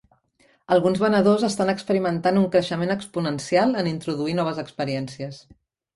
Alguns venedors estan experimentant un creixement exponencial en introduir noves experiències.